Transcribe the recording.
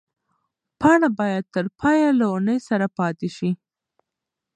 پاڼه باید تر پایه له ونې سره پاتې شي.